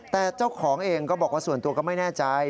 แต่เจ้าของเองก็บอกว่าส่วนตัวก็ไม่แน่ใจ